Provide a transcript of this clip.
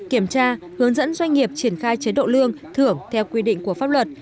kiểm tra hướng dẫn doanh nghiệp triển khai chế độ lương thưởng theo quy định của pháp luật